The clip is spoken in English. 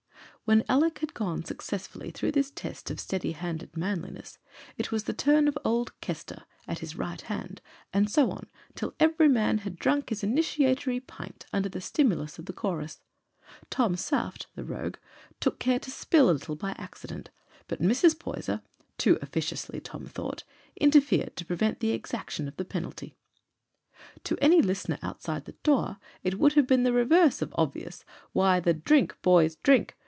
When Alick had gone successfully through this test of steady handed manliness, it was the turn of old Kester, at his right hand and so on, till every man had drunk his initiatory pint under the stimulus of the chorus. Tom Saft the rogue took care to spill a little by accident; but Mrs. Poyser (too officiously, Tom thought) interfered to prevent the exaction of the penalty. To any listener outside the door it would have been the reverse of obvious why the "Drink, boys, drink!"